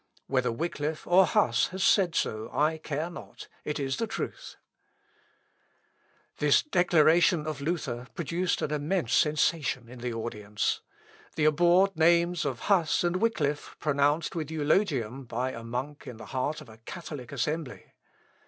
Whether Wickliffe or Huss has said so I care not.... It is the truth." [Sidenote: ECK'S PLEASANTRY.] This declaration of Luther produced an immense sensation in the audience. The abhorred names of Huss and Wickliffe pronounced with eulogium by a monk in the heart of a Catholic assembly!...